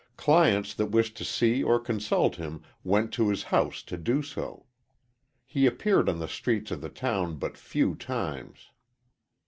Clients that wished to see or consult him went to his house to do so. He appeared on the streets of the town but few times.